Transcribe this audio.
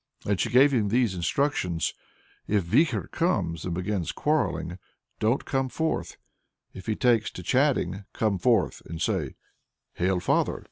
And she gave him these instructions. "If Vikhor comes, and begins quarrelling, don't come forth, but if he takes to chatting, come forth and say, 'Hail father!'